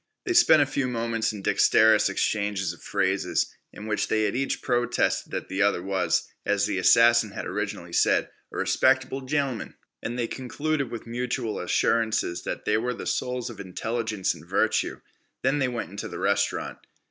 They spent a few moments in dexterous exchanges of phrases, in which they each protested that the other was, as the assassin had originally said, "a respecter'ble gentlem'n." And they concluded with mutual assurances that they were the souls of intelligence and virtue. Then they went into the restaurant.